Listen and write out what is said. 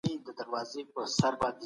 اسلامي اقتصاد د عدالت پر بنسټ ولاړ دی.